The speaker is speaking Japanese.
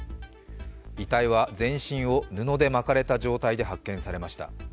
遺体は全身を布で巻かれた状態で発見されました。